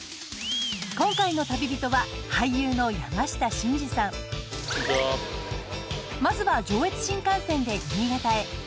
今回の旅人はまずは上越新幹線で新潟へ。